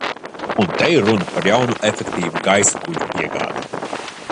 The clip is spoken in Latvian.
Un te ir runa par jaunu efektīvu gaisa kuģu iegādi.